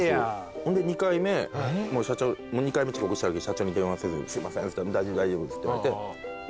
ほんで２回目遅刻したとき社長に電話せずにすいませんっつって大丈夫大丈夫って言われて。